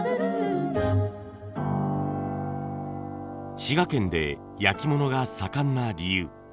滋賀県で焼き物が盛んな理由。